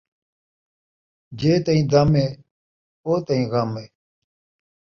جے تئیں دم ہے ، او تئیں غم ہے